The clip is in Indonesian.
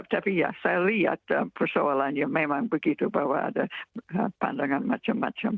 tapi ya saya lihat persoalannya memang begitu bahwa ada pandangan macam macam